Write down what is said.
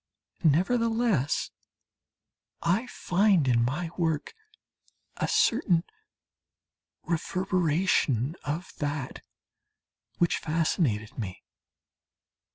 Nevertheless I find in my work a certain reverberation of that which fascinated me.